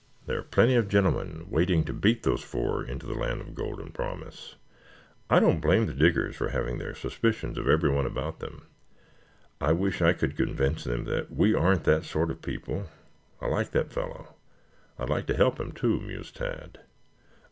There are plenty of gentlemen waiting to beat those four into the land of golden promise. I don't blame the Diggers for having their suspicions of everyone about them. I wish I could convince them that we aren't that sort of people. I like that fellow. I'd like to help him, too," mused Tad.